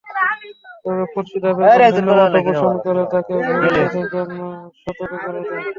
তবে খুরশীদা বেগম ভিন্নমত পোষণ করে তাঁকে ভবিষ্যতের জন্য সতর্ক করে দেন।